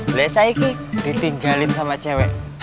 biasa ini ditinggalin sama cewek